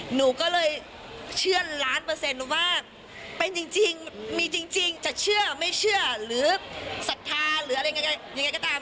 หนูก็เลยเชื่อล้านเปอร์เซ็นต์ว่าเป็นจริงมีจริงจะเชื่อไม่เชื่อหรือศรัทธาหรืออะไรยังไงก็ตาม